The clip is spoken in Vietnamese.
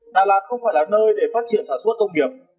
đà lạt không phải là nơi để phát triển sản xuất công nghiệp